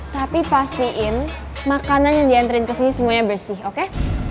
tapi pastiin makanan yang diantarin kesini semuanya bersih oke